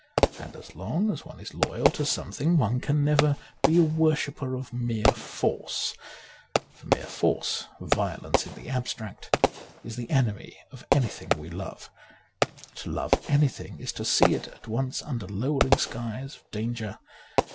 And as long as one is loyal to something one can never be a worshipper of mere force. For mere force, violence in the abstract, is the enemy of anything we love. To love anything is to see it at once under lowering skies of danger.